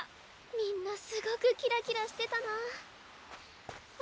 みんなすごくキラキラしてたなあ。